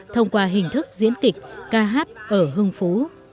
thông qua hình thức diễn kịch ca hát ở hưng phú